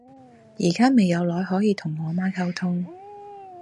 而家未有耐可以同我阿媽溝通